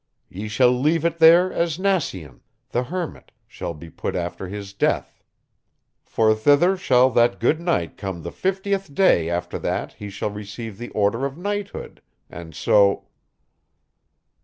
Ye shall leave it there as Nacien, the hermit, shall be put after his death; for thither shall that good knight come the fifteenth day after that he shall receive the order of knighthood: and so...."